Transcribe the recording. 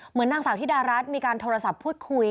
เหมือนนางสาวที่ดารัฐมีการโทรศัพท์พูดคุย